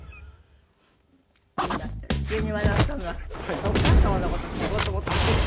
今急に笑ったのはお母様の事を聞こうと思ったんだけど。